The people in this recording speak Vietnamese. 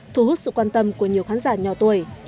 thu hút sự quan tâm của nhiều khán giả nhỏ tuổi